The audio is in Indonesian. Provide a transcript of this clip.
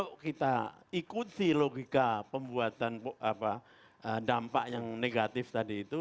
kalau kita ikuti logika pembuatan dampak yang negatif tadi itu